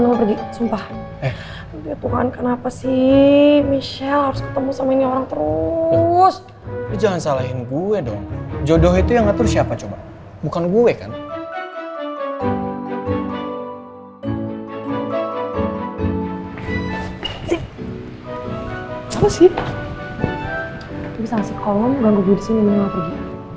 lo bisa ngasih kolom ganggu gue disini mendingan gue pergi